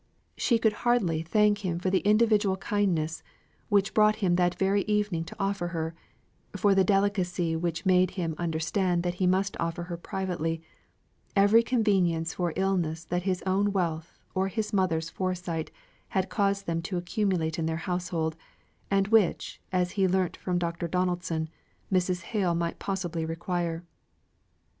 She could hardly thank him for the individual kindness, which brought him that very evening to offer her for the delicacy which made him understand that he must offer her privately every convenience for illness that his own wealth or his mother's foresight had caused them to accumulate in their household, and which, as he learnt from Dr. Donaldson, Mrs. Hale might possibly require.